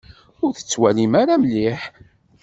Ur tettwalim ara mliḥ.